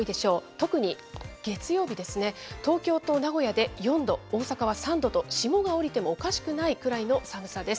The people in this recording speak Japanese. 特に、月曜日ですね、東京と名古屋で４度、大阪は３度と、霜が降りてもおかしくないくらいの寒さです。